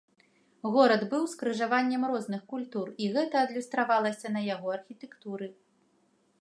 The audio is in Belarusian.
Горад быў скрыжаваннем розных культур, і гэта адлюстравалася на яго архітэктуры.